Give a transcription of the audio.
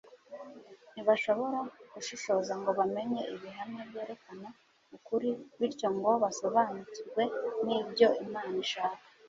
ntibashobora gushishoza ngo bamenye ibihamya byerekana ukuri bityo ngo basobanukirwe n'ibyo imana ishaka